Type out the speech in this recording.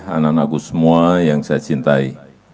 anak anakku semua yang saya cintai